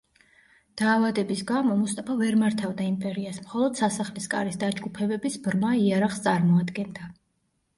დაავადების გამო, მუსტაფა ვერ მართავდა იმპერიას, მხოლოდ სასახლის კარის დაჯგუფებების ბრმა იარაღს წარმოადგენდა.